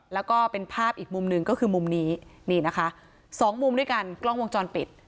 แล้วก็เป็นภาพอีกมุมหนึ่งก็คือมุมนี้นี่นะคะสองมุมด้วยกันกล้องวงจรปิด